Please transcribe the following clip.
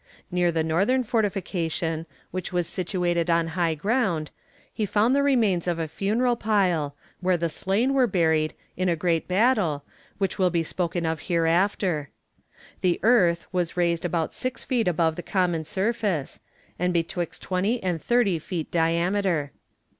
Near the northern fortification, which was situated on high ground, he found the remains of a funeral pile, where the slain were buried, in a great battle, which will be spoken of hereafter. The earth was raised about six feet above the common surface, and betwixt twenty and thirty feet diameter.